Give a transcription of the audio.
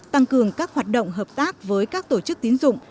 tăng cường các hoạt động hợp tác với các tổ chức tín dụng